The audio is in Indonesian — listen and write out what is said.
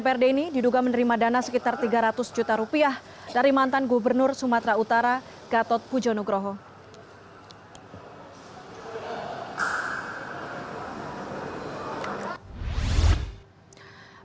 pemeriksaan ini dilakukan secara maraton oleh kpk sebagai pendalaman seputar peran anggota dprd sumatera utara feri suandoro tanurai kaban guntur manurung pustami hs zulkifli hussein faruqah dan juga sigit prabono